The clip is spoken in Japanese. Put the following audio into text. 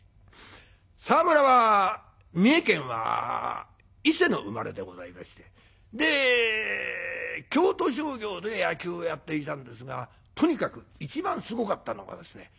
沢村は三重県は伊勢の生まれでございましてで京都商業で野球をやっていたんですがとにかく一番すごかったのがですね